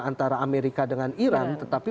antara amerika dengan iran tetapi